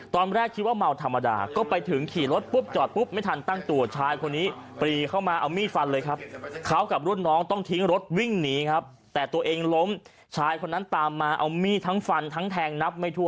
ตอนแรกคิดว่าเมาธรรมาน